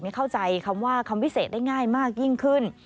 ยังไม่เข้าใจว่าคำวิเศษได้ง่ายมากยิ่งขึ้น